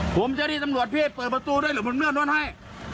ผมเจ้าที่ตำรวจพี่เปิดประตูด้วยหรือผมเลือกรถให้